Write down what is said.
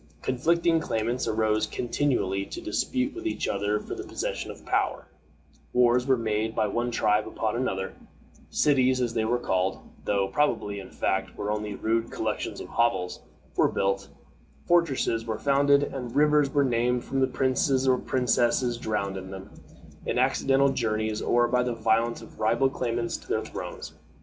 Conflicting claimants arose continually to dispute with each other for the possession of power; wars were made by one tribe upon another; cities, as they were called though probably, in fact, they were only rude collections of hovels were built, fortresses were founded, and rivers were named from princes or princesses drowned in them, in accidental journeys, or by the violence of rival claimants to their thrones.